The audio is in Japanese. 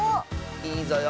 いいぞよ。